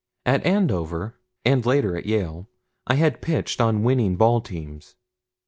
At Andover, and later at Yale, I had pitched on winning ball teams.